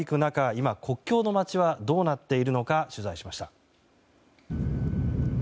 今、国境の街はどうなっているのか取材しました。